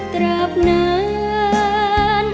กราบนาน